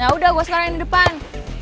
yaudah gue sekarang yang di depan